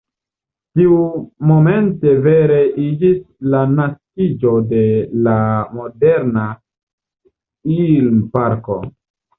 Tiumomente vere iĝis la naskiĝo de la moderna Ilm-parko.